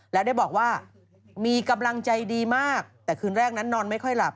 แล้วได้บอกว่ามีกำลังใจดีมากแต่คืนแรกนั้นนอนไม่ค่อยหลับ